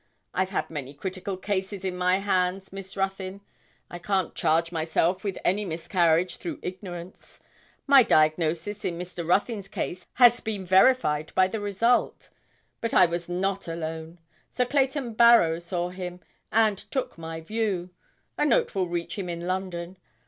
I've had many critical cases in my hands, Miss Ruthyn. I can't charge myself with any miscarriage through ignorance. My diagnosis in Mr. Ruthyn's case has been verified by the result. But I was not alone; Sir Clayton Barrow saw him, and took my view; a note will reach him in London.